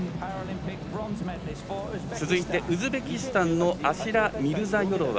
続いてウズベキスタンのアシラ・ミルザヨロワ。